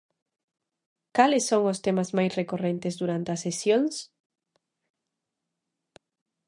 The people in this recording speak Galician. Cales son os temas máis recorrentes durante as sesións?